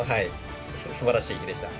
すばらしい日でした。